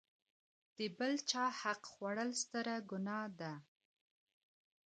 د بل چاحق خوړل ستره ګناه ده.